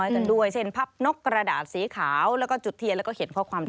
อย่างเช่นภาพนกกระดาษสีขาวแล้วก็จุดเทียนแล้วก็เขียนข้อความตัว